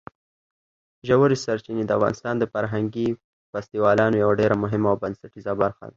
ژورې سرچینې د افغانستان د فرهنګي فستیوالونو یوه ډېره مهمه او بنسټیزه برخه ده.